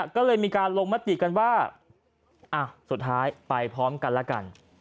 ก็เลยมีการลงมติกันว่าสุดท้ายไปพร้อมกันแล้วกัน